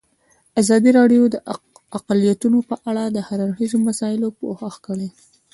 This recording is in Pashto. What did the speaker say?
ازادي راډیو د اقلیتونه په اړه د هر اړخیزو مسایلو پوښښ کړی.